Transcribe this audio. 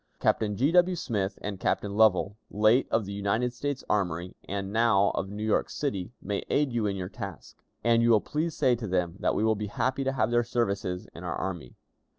Captain G. W. Smith and Captain Lovell, late of the United States Army, and now of New York City, may aid you in your task; and you will please say to them that we will be happy to have their services in our army.